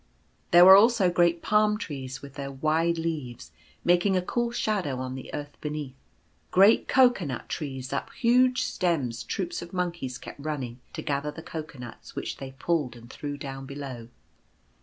There were also great Palm trees with their wide leaves making a cool shadow on the earth beneath. Great Cocoa nut trees up whose stems troops of monkeys kept running to gather the cocoa nuts which they pulled and threw down below.